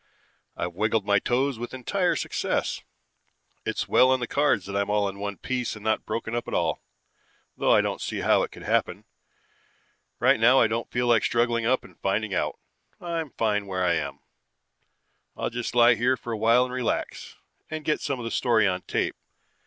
"I've wiggled my toes with entire success. It's well on the cards that I'm all in one piece and not broken up at all, though I don't see how it could happen. Right now I don't feel like struggling up and finding out. I'm fine where I am. I'll just lie here for a while and relax, and get some of the story on tape.